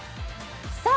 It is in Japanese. さあ